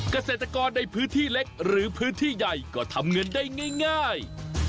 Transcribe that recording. เกษตรกรในพื้นที่เล็กหรือพื้นที่ใหญ่ก็ทำเงินได้ง่าย